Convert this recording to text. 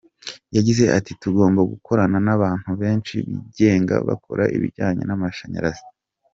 Yagize ati ”Tugomba gukorana n’abantu benshi bigenga bakora ibijyanye n’amashanyarazi.